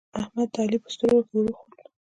احمد د علی په سترګو کې ور وخوت